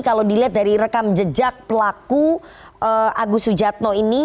kalau dilihat dari rekam jejak pelaku agus sujatno ini